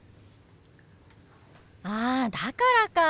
あだからか！